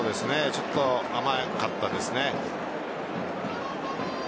ちょっと甘かったですね。